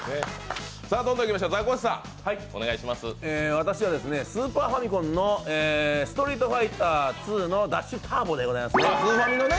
私はスーパーファミコンの「ストリートファイターⅡのダッシュターボ」でございます。